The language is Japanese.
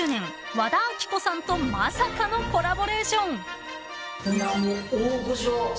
和田アキ子さんとまさかのコラボレーション］